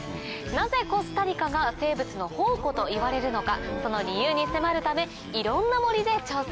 なぜコスタリカが生物の宝庫といわれるのかその理由に迫るためいろんな森で調査。